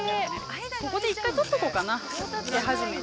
ここで一回撮っとこうかな手初めに。